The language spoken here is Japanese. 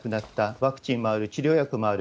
ワクチンもある、治療薬もある。